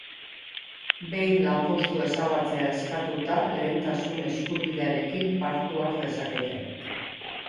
Behin lanpostua ezabatzea eskatuta, lehentasun eskubidearekin parte har dezakete.